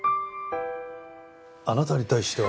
あなたに対しては。